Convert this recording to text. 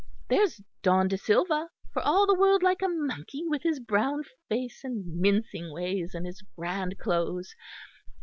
There's Don de Silva, for all the world like a monkey with his brown face and mincing ways and his grand clothes.